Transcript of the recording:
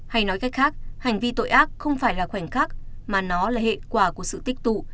hay nói cách khác hành vi tội ác không phải là khoảnh khắc mà nó là hệ quả của sự tích tụ